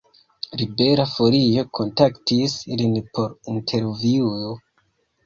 Libera Folio kontaktis lin por intervjuo.